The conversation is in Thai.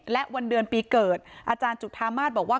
และวันเดือนปีเกิดอาจารย์จุธามาศบอกว่า